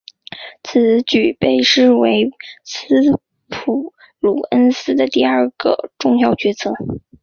此举被视为斯普鲁恩斯的第二个个重要决策。